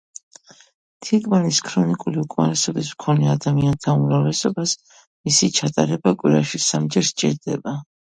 თირკმელის ქრონიკული უკმარისობის მქონე ადამიანთა უმრავლესობას მისი ჩატარება კვირაში სამჯერ სჭირდება.